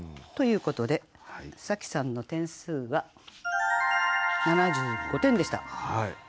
ということで紗季さんの点数は７５点でした。